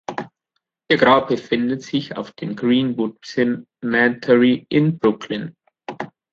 Ihr Grab befindet sich auf dem Green-Wood Cemetery in Brooklyn.